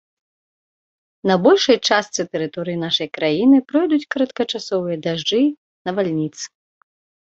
На большай частцы тэрыторыі нашай краіны пройдуць кароткачасовыя дажджы, навальніцы.